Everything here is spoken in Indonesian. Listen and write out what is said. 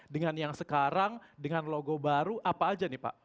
dengan yang sekarang dengan logo baru apa aja nih pak